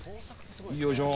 よいしょ！